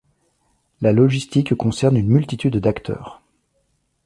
La logistique concerne une multitude d'acteurs.